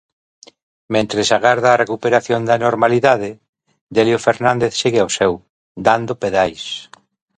Mentres agarda a recuperación da normalidade, Delio Fernández segue ao seu: dando pedais.